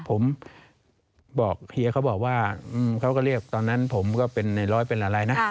ผมบอกเฮียเขาบอกว่าเขาก็เรียกตอนนั้นผมก็เป็นในร้อยเป็นอะไรนะ